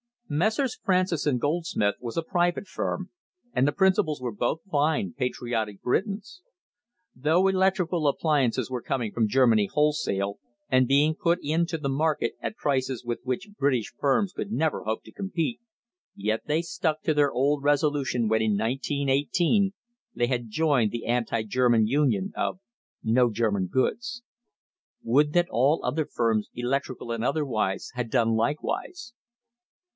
Messrs. Francis and Goldsmith was a private firm, and the principals were both fine, patriotic Britons. Though electrical appliances were coming from Germany wholesale, and being put in to the market at prices with which British firms could never hope to compete, yet they stuck to their old resolution when in 1918 they had joined the Anti German Union of "No German Goods." Would that all other firms, electrical and otherwise, had done likewise!